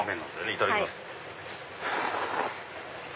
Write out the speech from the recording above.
いただきます。